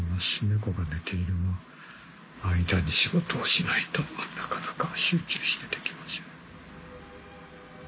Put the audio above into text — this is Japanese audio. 猫が寝ている間に仕事をしないとなかなか集中してできません。